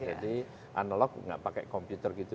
jadi analog tidak pakai komputer gitu